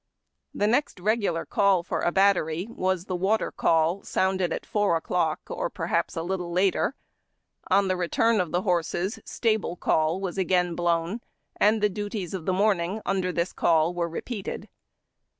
The next regular call for a battery was Wate? Call, sounded at four o'clock, or perhaps a little later. On the return of the horses Stable Call was again blown, and the duties of the morning, under this call, repeated.